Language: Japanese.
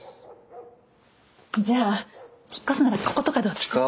じゃあ引っ越すならこことかどうですか？